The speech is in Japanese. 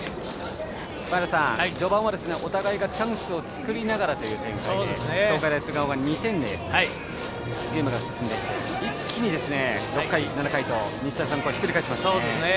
前田さん、序盤はお互いチャンスを作りながらという展開で東海大菅生は２点でゲームが進んでいって一気に６回、７回と日大三高はひっくり返しました。